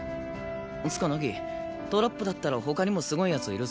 っつうか凪トラップだったら他にもすごい奴いるぞ。